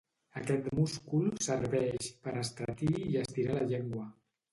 Aquest múscul serveix per estretir i estirar la llengua.